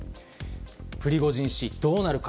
プリゴジン氏、どうなるか。